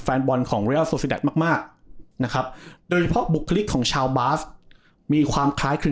ส่วนชีวิตนอกสนามครับอเดแก้ดบอกว่า